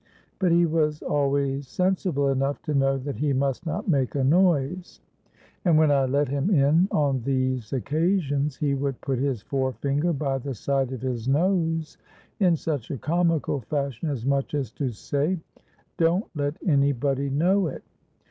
But he was always sensible enough to know that he must not make a noise; and when I let him in on these occasions, he would put his fore finger by the side of his nose in such a comical fashion, as much as to say, 'Don't let any body know it!'